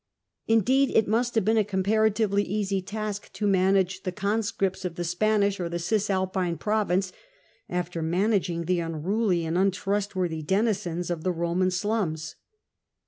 Indeed it must have been a comparatively easy task to manage the con scripts of the Spanish or the Cisalpine province after managing the unruly and untrustworthy denizens of the Eoman slums.